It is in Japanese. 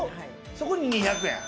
そこに２００円。